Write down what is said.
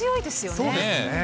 そうですね。